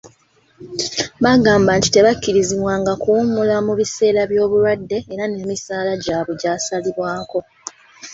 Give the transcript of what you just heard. Baagamba nti tebakkirizibwanga kuwummula mu biseera by'obulwadde era n'emisaala gyabwe gyasalibwangako.